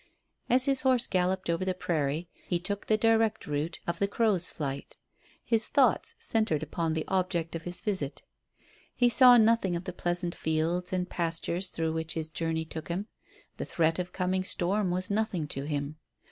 As his horse galloped over the prairie he took the direct route of the crow's flight his thoughts centred upon the object of his visit. He saw nothing of the pleasant fields and pastures through which his journey took him. The threat of coming storm was nothing to him.